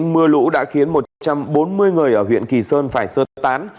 mưa lũ đã khiến một trăm bốn mươi người ở huyện kỳ sơn phải sơ tán